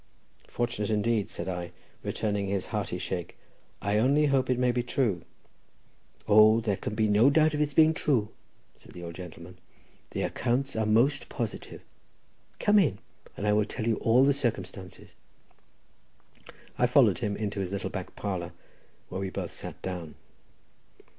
"Fortunate indeed," said I, returning his hearty shake; "I only hope it may be true." "O, there can be no doubt of its being true," said the old gentleman. "The accounts are most positive. Come in, and I will tell you all the circumstances." I followed him into his little back parlour, where we both sat down.